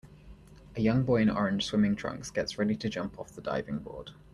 A young boy in orange swimming trunks gets ready to jump off the diving board.